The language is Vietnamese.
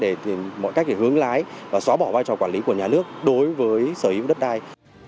để tìm mọi cách để hướng lái và xóa bỏ vai trò quản lý của nhà nước đối với sở hữu đất đai